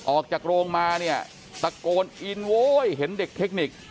ออกจากโรงมาเนี่ยตะโกนอินโว้ยเห็นเด็กเทคนิค